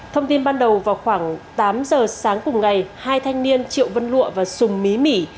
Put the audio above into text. thông tin ban đầu vào khoảng tám giờ sáng cùng ngày hai thanh niên triệu vân lụa và sùng mí